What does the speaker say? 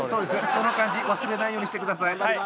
その感じ忘れないようにしてください。